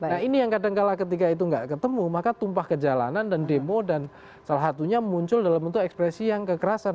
nah ini yang kadangkala ketika itu nggak ketemu maka tumpah ke jalanan dan demo dan salah satunya muncul dalam bentuk ekspresi yang kekerasan